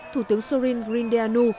thủ tướng sorin grindeanu